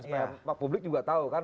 supaya publik juga tahu kan